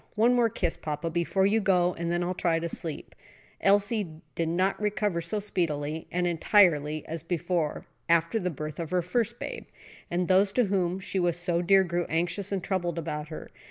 One more kiss, papa, before you go, and then I'll try to sleep." Elsie did not recover so speedily and entirely as before, after the birth of her first babe; and those to whom she was so dear grew anxious and troubled about her.